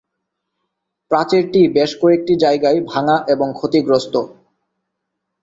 প্রাচীরটি বেশ কয়েকটি জায়গায় ভাঙা এবং ক্ষতিগ্রস্ত।